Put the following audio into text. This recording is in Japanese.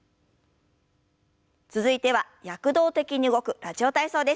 続いては躍動的に動く「ラジオ体操」です。